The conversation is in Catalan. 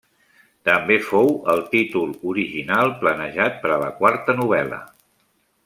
També fou el títol original planejat per a la quarta novel·la.